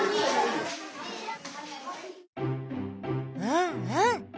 うんうん！